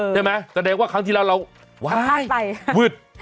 ใช่ไหมก็แสดงว่าครั้งที่แล้วเราว้ายวึด